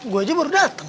gua aja baru dateng